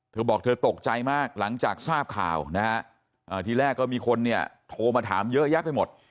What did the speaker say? เธอบอกเธอตกใจมากหลังจากทราบข่าวนะฮะทีแรกก็มีคนเนี่ยโทรมาถามเยอะแยะไปหมด